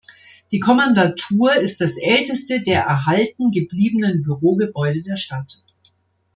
Die Kommandantur ist das älteste der erhalten gebliebenen Bürogebäude der Stadt.